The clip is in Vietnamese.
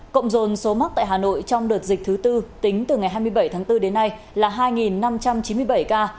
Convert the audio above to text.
cộng dồn số mắc tại hà nội trong đợt dịch thứ tư tính từ ngày hai mươi bảy tháng bốn đến nay là hai năm trăm chín mươi bảy ca